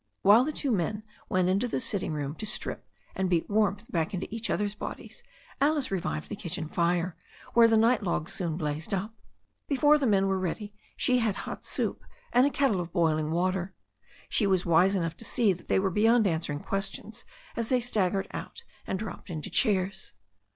While the two men went into the sitting room to strip and beat warmth back into each other's bodies, Alice re vived the kitchen fire, where the night logs soon blazed up. Before the men were ready she had hot soup and a kettle of boiling water. She was wise enough to see that they were beyond answering questions as they staggered out and dropped into chairs.